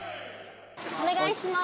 お願いします。